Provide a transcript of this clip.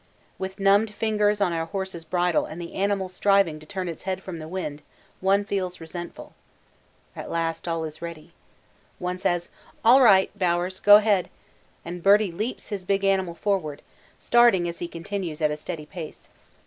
With numbed fingers on our horse's bridle and the animal striving to turn its head from the wind one feels resentful. At last all is ready. One says 'All right, Bowers, go ahead,' and Birdie leads his big animal forward, starting, as he continues, at a steady pace.